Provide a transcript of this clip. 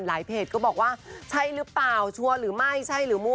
เพจก็บอกว่าใช่หรือเปล่าชัวร์หรือไม่ใช่หรือมั่